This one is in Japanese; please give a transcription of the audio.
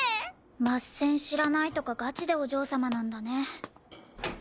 バッセン知らないとかガチでお嬢様なんだね。